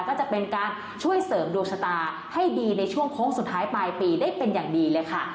ก็จะเป็นการช่วยเสริมดวงชะตาให้ดีในช่วงโค้งสุดท้ายปลายปีได้เป็นอย่างดีเลยค่ะ